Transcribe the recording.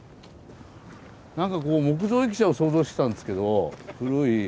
何かこう木造駅舎を想像してたんですけど古い。